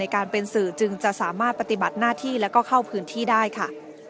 การเป็นสื่อจึงจะสามารถปฏิบัติหน้าที่แล้วก็เข้าพื้นที่ได้ค่ะ